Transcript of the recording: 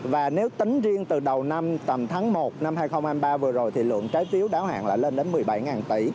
và nếu tính riêng từ đầu năm tầm tháng một năm hai nghìn hai mươi ba vừa rồi thì lượng trái phiếu đáo hạn là lên đến một mươi bảy tỷ